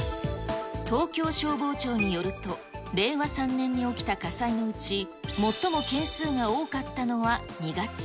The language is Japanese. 東京消防庁によると、令和３年に起きた火災のうち、最も件数が多かったのは２月。